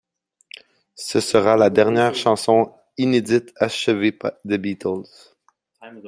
Ce sera la dernière chanson inédite achevée des Beatles.